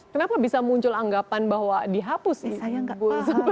kenapa bisa muncul anggapan bahwa dihapus nih